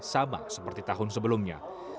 sama seperti tahun sebelumnya